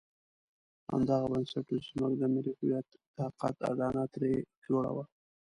همدغه بنسټ وو چې زموږ د ملي هویت طاقت اډانه ترې جوړه وه.